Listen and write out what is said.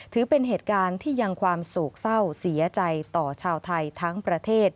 ถือเป็นเหตุการณ์ที่ยังความโศกเศร้าเสียใจต่อชาวไทยทั้งประเทศ